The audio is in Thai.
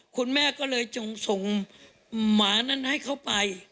คุณแม่ก็เลยจงส่งหมานั้นให้เขาไป